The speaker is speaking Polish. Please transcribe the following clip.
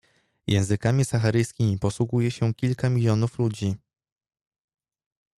Językami saharyjskimi posługuje się kilka milionów ludzi.